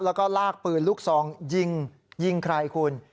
แล้วก็ลากปืนลูกซองยิงยิงใครคุณ